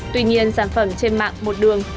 tuy nhiên sản phẩm trên mạng một đường